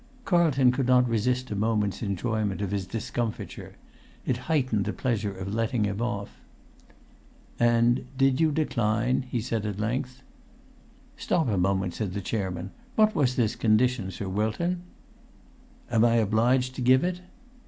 Carlton could not resist a moment's enjoyment of his discomfiture: it heightened the pleasure of letting him off. "And did you decline?" he said at length. "Stop a moment," said the chairman. "What was this condition, Sir Wilton?" "Am I obliged to give it?"